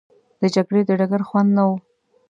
د جګړې د ډګر خوند نه وو.